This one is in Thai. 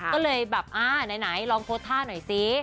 ก็เลยแบบอ่าไหนลองโพสต์ท่าหน่อยซิ